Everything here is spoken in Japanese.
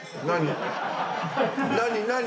何？